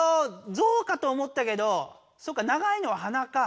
ゾウかと思ったけどそっか長いのははなか。